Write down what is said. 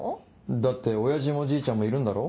だって親父もじいちゃんもいるんだろ？